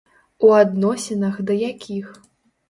У адносінах да якіх.